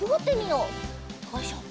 よいしょ。